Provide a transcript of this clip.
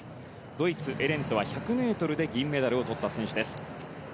ドイツ、エレントは１００ｍで銀メダルをとった選手です。